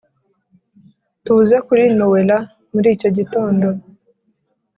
tuze kuri noella muricyo gitondo.